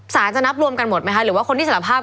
จะนับรวมกันหมดไหมคะหรือว่าคนที่สารภาพ